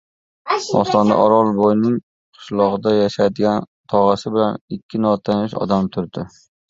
Ostonada O‘rolboyning qishloqda yashaydigan tog‘asi bilan ikki notanish odam turdi.